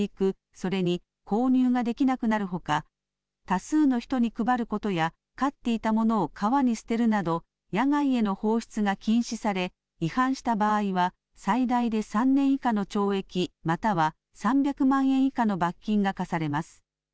それに購入ができなくなるほか多数の人に配ることや飼っていたものを川に捨てるなど野外への放出が禁止され違反した場合は最大で３年以下の懲役、または３００万円以下の罰金が科されます。